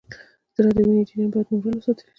د زړه د وینې جریان باید نورمال وساتل شي